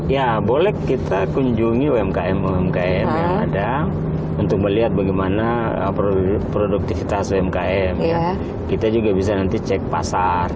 ya boleh kita kunjungi umkm umkm yang ada untuk melihat bagaimana produktivitas umkm kita juga bisa nanti cek pasar